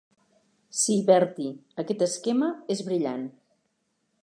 Sí, Bertie, aquest esquema és brillant.